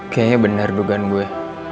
kayaknya bener dugaan gue